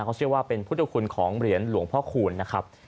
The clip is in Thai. เขาเชื่อว่าเป็นผู้เจ้าขุนของเหรียญหลวงพ่อขุนนะครับ